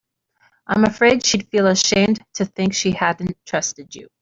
I'm afraid she'd feel ashamed to think she hadn't trusted you.